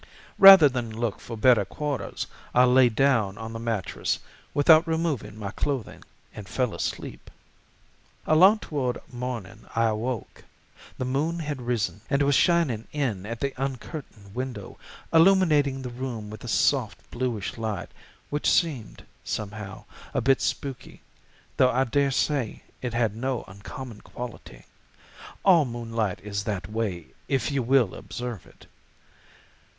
Rather than look for better quarters I lay down on the mattress without removing my clothing and fell asleep. "Along toward morning I awoke. The moon had risen and was shining in at the uncurtained window, illuminating the room with a soft, bluish light which seemed, somehow, a bit spooky, though I dare say it had no uncommon quality; all moonlight is that way if you will observe it.